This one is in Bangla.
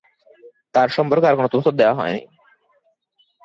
তার সম্পর্কে আর কোন তথ্য দেয়া হয়নি।